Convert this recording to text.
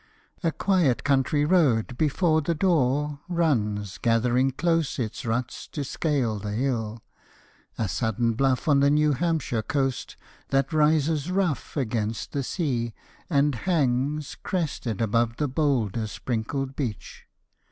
A quiet country road before the door Runs, gathering close its ruts to scale the hill A sudden bluff on the New Hampshire coast, That rises rough against the sea, and hangs Crested above the bowlder sprinkled beach.